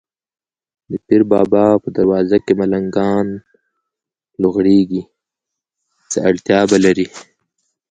د پیر بابا په دروازه کې ملنګان لوغړېږي، څه اړتیا به لري.